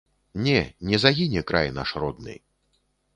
Не, не загіне край наш родны.